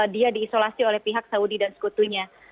dia diisolasi oleh pihak saudi dan sekutunya